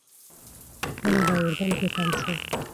کله به اردن کې تم شو.